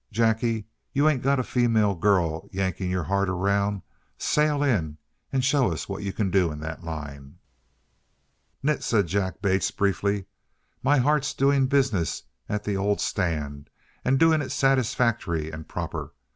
Jacky, you ain't got a female girl yanking your heart around, sail in and show us what yuh can do in that line." "Nit," said Jack Bates, briefly. "My heart's doing business at the old stand and doing it satisfactory and proper.